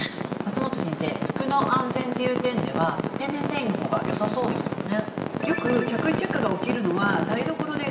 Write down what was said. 本先生服の安全っていう点では天然繊維の方がよさそうですよね。